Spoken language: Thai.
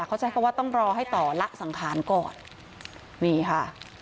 เขาใช้คำว่าต้องรอให้ต่อละสังขารก่อนนี่ค่ะ